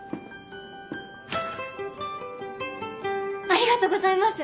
ありがとうございます！